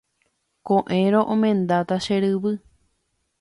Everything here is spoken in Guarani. Ko'ẽrõ omendáta che ryvy.